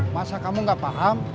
masa kamu gak paham